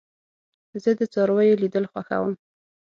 زه د څارويو لیدل خوښوم.